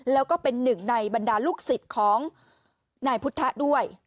แล้วก็เป็นหนึ่งในบรรดาลูกศิษย์ของนายพุทธะด้วย